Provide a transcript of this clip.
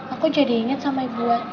aku jadi inget sama ibu wati